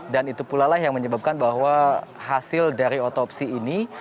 dan itu pula lah yang menyebabkan bahwa hasil dari otopsi ini